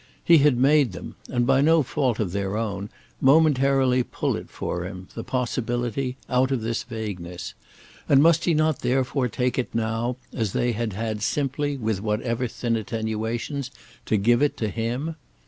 He had made them—and by no fault of their own—momentarily pull it for him, the possibility, out of this vagueness; and must he not therefore take it now as they had had simply, with whatever thin attenuations, to give it to him?